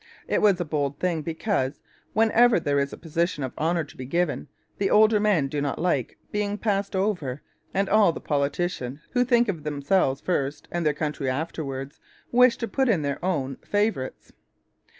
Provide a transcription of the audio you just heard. It was a bold thing, because, whenever there is a position of honour to be given, the older men do not like being passed over and all the politicians who think of themselves first and their country afterwards wish to put in their own favourites.